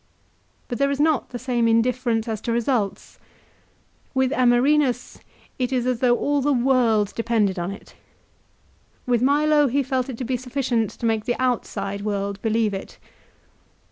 But there is not the same indifference as to results. With Amerinus it is as though all the world depended on it. With Milo he felt it to be sufficient to make the outside world believe it.